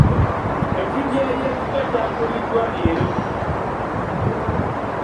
Ekidyeri ekipya kyaguliddwa leero.